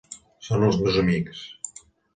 Són els meus amics.